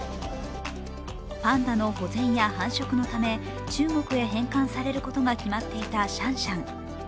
パンダの保全や繁殖のため中国へ返還されることが決まっていたシャンシャン。